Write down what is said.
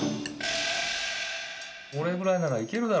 これぐらいならいけるだろ。